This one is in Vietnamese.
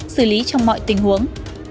xử lý trong mọi tình huống